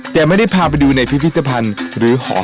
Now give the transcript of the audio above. แต่ไม่ได้พาไปดูในพิพิธภัณฑ์หรือหอ